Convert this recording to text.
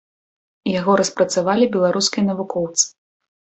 Яго распрацавалі беларускія навукоўцы.